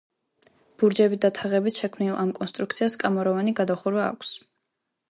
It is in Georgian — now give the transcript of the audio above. ბურჯებით და თაღებით შექმნილ ამ კონსტრუქციას კამაროვანი გადახურვა აქვს.